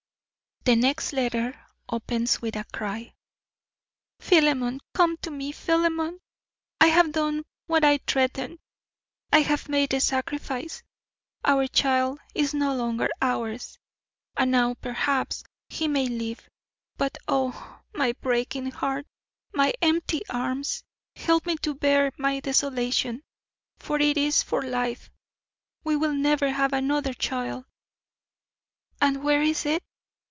The next letter opens with a cry: Philemon! Come to me, Philemon! I have done what I threatened. I have made the sacrifice. Our child is no longer ours, and now, perhaps, he may live. But oh, my breaking heart! my empty arms! Help me to bear my desolation, for it is for life. We will never have another child. And where is it?